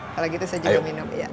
kalau gitu saya juga minum ya